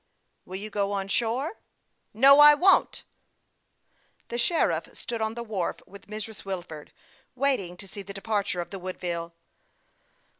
" Will you go on shore ?"" No, I won't." The sheriff stood on the wharf with Mrs. Wilford, waiting to see the departure of the Woodville.